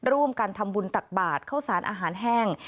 ร่วมกันทำบุญตักบาทเข้าสารอาหารแห้ง